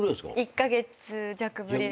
１カ月弱ぶりです。